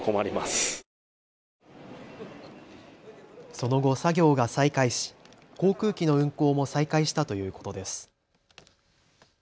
その後、作業が再開し航空機の運航も再開したということです。